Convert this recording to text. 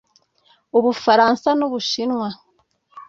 u Bufaransa n’u Bushinwa